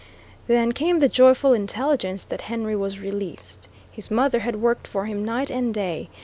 Then came the joyful intelligence that Henry was released. His mother had worked for him night and day.